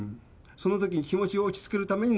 そのとき気持ちを落ち着けるために飲んだ？